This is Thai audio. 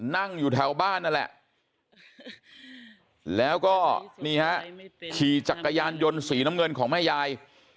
นั่งอยู่แถวบ้านนั่นแหละแล้วก็นี่ฮะขี่จักรยานยนต์สีน้ำเงินของแม่ยาย